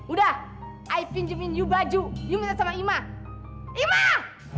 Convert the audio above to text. udah ay pinjemin yuk baju yuk minta sama imah imah